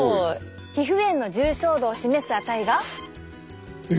皮膚炎の重症度を示す値が。え！